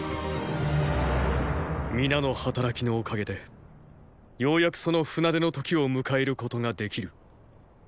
皆の働きのおかげでようやくその船出の時を迎えることができる。